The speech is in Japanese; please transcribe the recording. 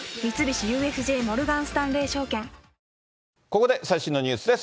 ここで最新のニュースです。